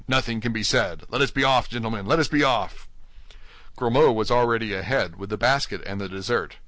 Nothing can be said; let us be off, gentlemen, let us be off!" Grimaud was already ahead, with the basket and the dessert.